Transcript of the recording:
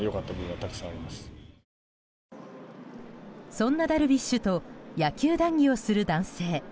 そんなダルビッシュと野球談議をする男性。